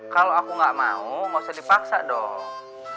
kalau aku gak mau gak usah dipaksa dong